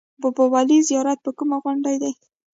بابای ولي زیارت په کومه غونډۍ دی؟